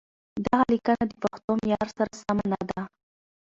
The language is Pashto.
دغه ليکنه د پښتو معيار سره سمه نه ده.